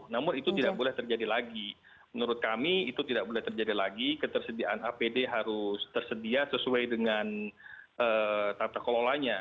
namun itu tidak boleh terjadi lagi menurut kami itu tidak boleh terjadi lagi ketersediaan apd harus tersedia sesuai dengan tata kelolanya